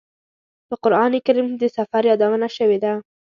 په قران کریم کې د سفر یادونه شوې ده.